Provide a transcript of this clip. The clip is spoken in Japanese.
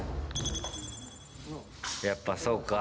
やっぱ、そうか。